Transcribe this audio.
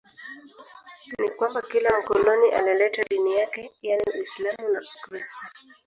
Ni kwamba kila mkoloni alileta dini yake yaani Uislamu na Ukristo